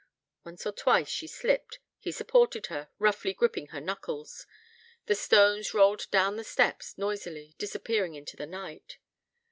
Once or twice she slipped: he supported her, roughly gripping her knuckles. The stones rolled down the steps, noisily, disappearing into the night.